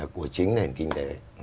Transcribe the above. của chính nền kinh tế